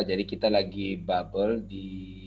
jadi kita lagi bubble di